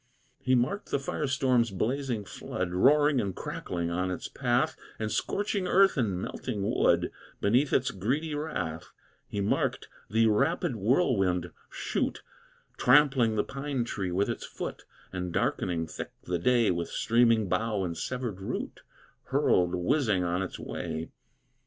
He marked the fire storm's blazing flood Roaring and crackling on its path, And scorching earth, and melting wood, Beneath its greedy wrath; He marked the rapid whirlwind shoot, Trampling the pine tree with its foot, And darkening thick the day With streaming bough and severed root, Hurled whizzing on its way.